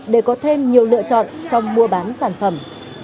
để có thêm nhiều lựa chọn trong mua bán sản phẩm